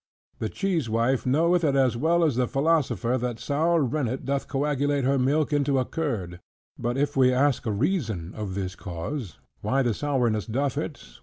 The cheese wife knoweth it as well as the philosopher, that sour rennet doth coagulate her milk into a curd. But if we ask a reason of this cause, why the sourness doth it?